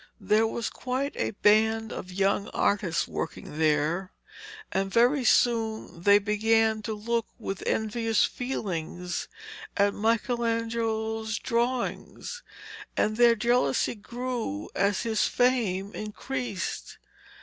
There was quite a band of young artists working there, and very soon they began to look with envious feelings at Michelangelo's drawings, and their jealousy grew as his fame increased.